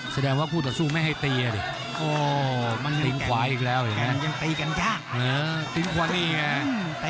แสดงว่าผู้ต่อสู้ไม่ให้ตีอ่ะดิตีงขวาอีกแล้วตีงขวานี่ไง